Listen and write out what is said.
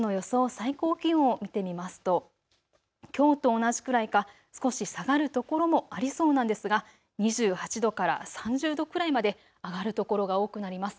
最高気温を見てみますときょうと同じくらいか、少し下がるところもありそうなんですが２８度から３０度くらいまで上がる所が多くなります。